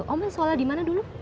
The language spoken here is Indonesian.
oma sholat dimana dulu